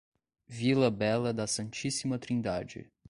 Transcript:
Vila Bela da Santíssima Trindade